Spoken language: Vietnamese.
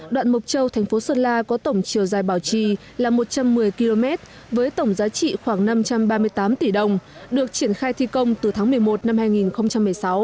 đoạn mộc châu thành phố sơn la có tổng chiều dài bảo trì là một trăm một mươi km với tổng giá trị khoảng năm trăm ba mươi tám tỷ đồng được triển khai thi công từ tháng một mươi một năm hai nghìn một mươi sáu